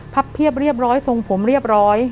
เพียบเรียบร้อยทรงผมเรียบร้อย